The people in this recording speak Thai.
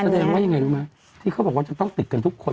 แสดงว่ายังไงรู้ไหมที่เขาบอกว่าจะต้องติดกันทุกคน